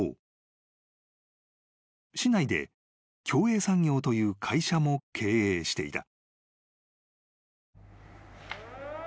［市内で協栄産業という会社も経営していた］